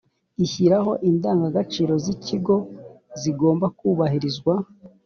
ishyiraho indangagaciro z ‘ikigo zigomba kubahirizwa.